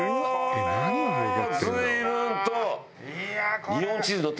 随分と。